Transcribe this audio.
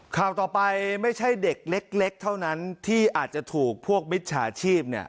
ข่าวต่อไปไม่ใช่เด็กเล็กเท่านั้นที่อาจจะถูกพวกมิจฉาชีพ